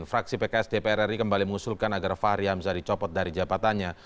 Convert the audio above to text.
fraksi pks dpr ri kembali mengusulkan agar fahri hamzah dicopot dari jabatannya